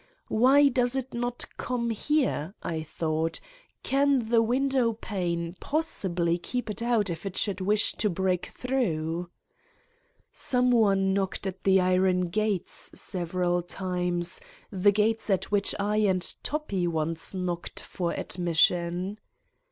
Why does it not come here, I thought: can the window pane possibly keep it out if it should wish to break through? ... Some one knocked at the iron gates several times, the gates at which I and Toppi once knocked for admission.